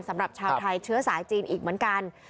สำหรับชาวไทยเชื้อสายจีนอีกเหมือนกัน